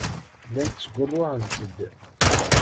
Llant ttgurruɛent-d.